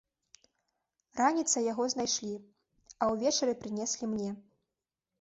Раніцай яго знайшлі, а ўвечары прынеслі мне.